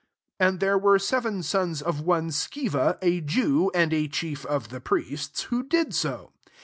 14 And there were seven sons of one Sceva a Jew, and a chief of the priests, who did so.